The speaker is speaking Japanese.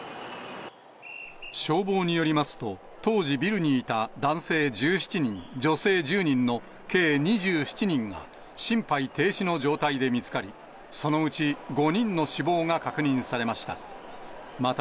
消防によりますと、当時、ビルにいた男性１７人、女性１０人の計２７人が、心肺停止の状態で見つかり、そのうち５人の死亡が確認されました。